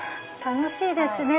楽しいですね。